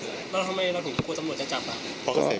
แล้วทำไมเราถึงกลัวตำรวจจะจับอ่ะ